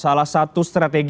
salah satu strategi